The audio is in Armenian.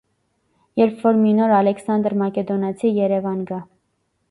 - Երբ որ մի նոր Ալեքսանդր Մակեդոնացի երևան գա: